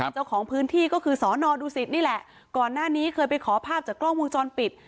เจ้าของพื้นที่ก็คือสอนอดูสิตนี่แหละก่อนหน้านี้เคยไปขอภาพจากกล้องวงจรปิด